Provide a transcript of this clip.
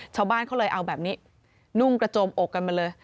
ชาวบ้านเขาเลยเอาแบบนี้นุ่งกระโจมอกกันมาเลย